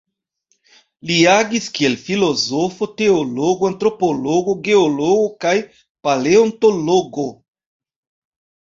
Li agis kiel filozofo, teologo, antropologo, geologo kaj paleontologo.